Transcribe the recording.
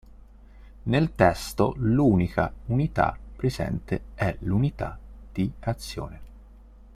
Nel testo l'unica unità presente è l'unità di azione.